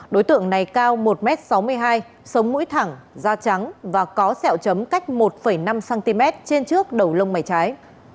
đối tượng này cao một m sáu mươi hai sống mũi thẳng da trắng và có sẹo chấm cách một năm cm trên trước đầu lông mảy trái